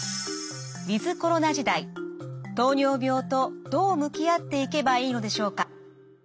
ウィズコロナ時代糖尿病とどう向き合っていけばいいのでしょうか。